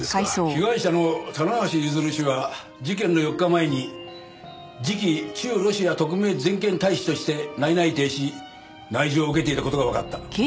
被害者の棚橋譲氏は事件の４日前に次期駐ロシア特命全権大使として内々定し内示を受けていた事がわかった。